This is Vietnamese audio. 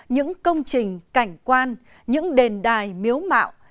những công trình cảnh quan những đền đài miếu mạo